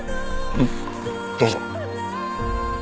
ううんどうぞ。